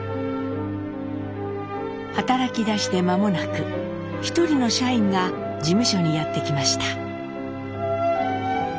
働きだして間もなく一人の社員が事務所にやって来ました。